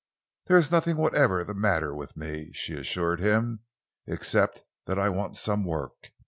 "There is nothing whatever the matter with me," she assured him, "except that I want some work.